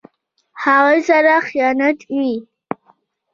هغوی سره خیانت وي.